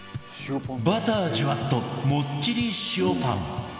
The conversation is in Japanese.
バターじゅわっともっちり塩パン